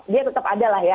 dia tetap ada lah ya